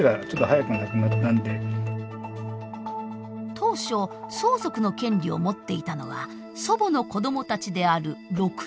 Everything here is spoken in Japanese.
当初相続の権利を持っていたのは祖母の子どもたちである６人でした。